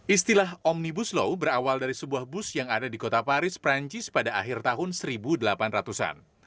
istilah omnibus law berawal dari sebuah bus yang ada di kota paris perancis pada akhir tahun seribu delapan ratus an